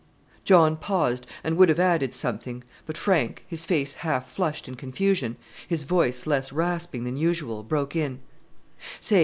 John paused, and would have added something; but Frank, his face half flushed in confusion, his voice less rasping than usual, broke in, "Say!